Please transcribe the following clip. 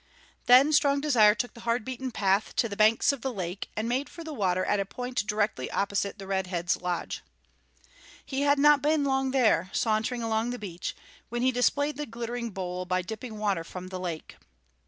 Then Strong Desire took the hard beaten path to the banks of the lake and made for the water at a point directly opposite the Red Head's lodge. He had not been long there, sauntering along the beach, when he displayed the glittering bowl by dipping water from the lake.